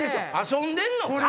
遊んでんのか？